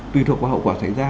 tùy thuộc vào hậu quả xảy ra